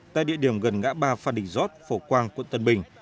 tại địa điểm gần ngã ba phan đình giót phổ quang quận tân bình